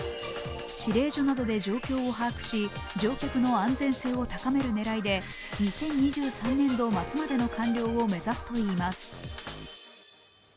指令所などで状況を把握し乗客の安全性を高める狙いで２０２３年度末までの完了を目指すといいます。